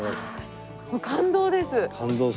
感動です。